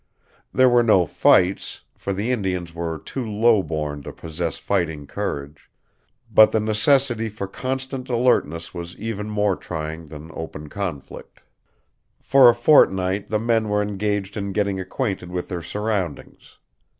There were no fights, for the Indians were too low born to possess fighting courage; but the necessity for constant alertness was even more trying than open conflict. For a fortnight the men were engaged in getting acquainted with their surroundings.